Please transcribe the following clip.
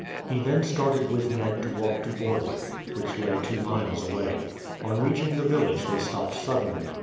He then started with Ned to walk to Vordwyk, which lay two miles away. On reaching the village they stopped suddenly.